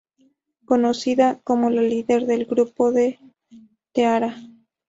Conocida como la líder del grupo T-ara.